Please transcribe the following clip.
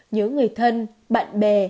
nhớ người thân bạn bè